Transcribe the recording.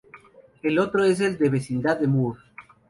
El otro es el de vecindad de Moore.